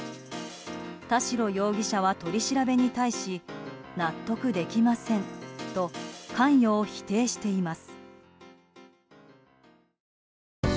田代容疑者は、取り調べに対し納得できませんと関与を否定しています。